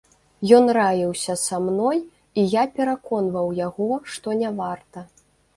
Ён раіўся са мной, і я пераконваў яго, што не варта.